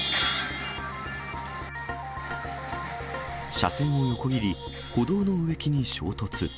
車線を横切り、歩道の植木に衝突。